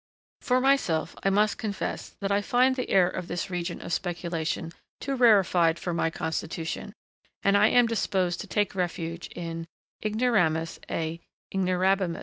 For myself, I must confess that I find the air of this region of speculation too rarefied for my constitution, and I am disposed to take refuge in 'ignoramus et ignorabimus.'